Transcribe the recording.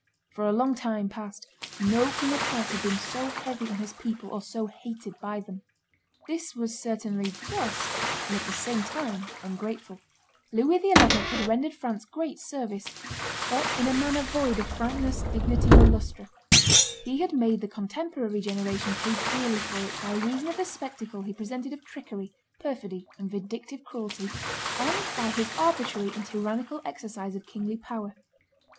For a long time past no King of France had been so heavy on his people or so hated by them." This was certainly just, and at the same time ungrateful. Louis XI. had rendered France great service, but in a manner void of frankness, dignity, or lustre; he had made the contemporary generation pay dearly for it by reason of the spectacle he presented of trickery, perfidy, and vindictive cruelty, and by his arbitrary and tyrannical exercise of kingly power.